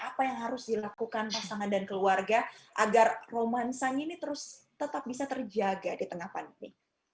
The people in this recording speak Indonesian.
apa yang harus dilakukan pasangan dan keluarga agar romansanya ini terus tetap bisa terjaga di tengah pandemi